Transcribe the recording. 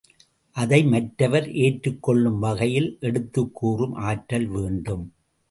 அதை மற்றவர் ஏற்றுக்கொள்ளும் வகையில் எடுத்துக்கூறும் ஆற்றல் வேண்டும்.